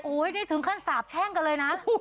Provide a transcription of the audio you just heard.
นี่ถึงขั้นสาบแช่งกันเลยนะ